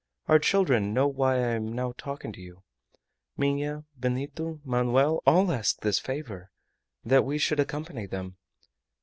Our children know why I am now talking to you. Minha, Benito, Manoel, all ask this favor, that we should accompany them.